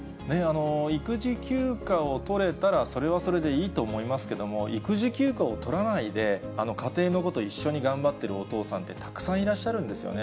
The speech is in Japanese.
育児休暇を取れたら、それはそれでいいと思いますけど、育児休暇を取らないで、家庭のこと、一緒に頑張ってるお父さんって、たくさんいらっしゃるんですよね。